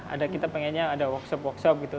ada kita pengennya ada workshop workshop gitu